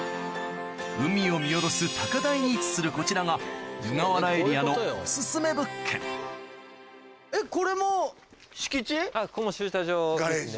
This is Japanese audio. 海を見下ろす高台に位置するこちらが湯河原エリアのここも駐車場ですね。